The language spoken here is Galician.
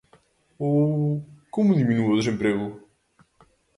Ou ¿como diminúe o desemprego?